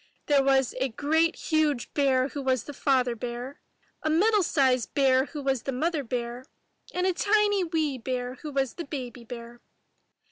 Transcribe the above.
There was a great huge bear who was the Father Bear, a middle sized bear who was the Mother Bear, and a tiny wee bear who was the Baby Bear.